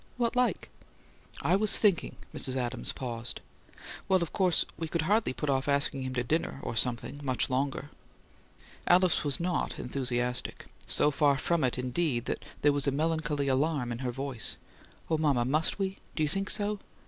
"What like?" "I was thinking " Mrs. Adams paused. "Well, of course we could hardly put off asking him to dinner, or something, much longer." Alice was not enthusiastic; so far from it, indeed, that there was a melancholy alarm in her voice. "Oh, mama, must we? Do you think so?"